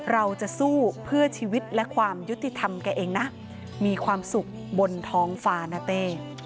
เราจะสู้เพื่อชีวิตและความยุติธรรมแกเองนะมีความสุขบนท้องฟ้านะเต้